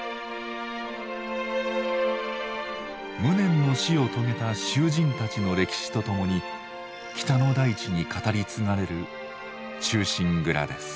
無念の死を遂げた囚人たちの歴史とともに北の大地に語り継がれる「忠臣蔵」です。